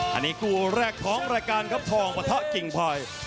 อันนี้คู่แรกของรายการครับทองปะทะกิ่งพลอย